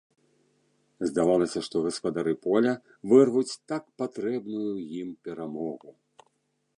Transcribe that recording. Здавалася, што гаспадары поля вырвуць так патрэбную ім перамогу.